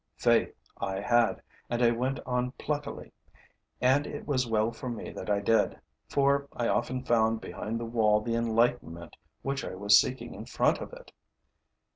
Faith I had; and I went on pluckily. And it was well for me that I did, for I often found behind the wall the enlightenment which I was seeking in front of it.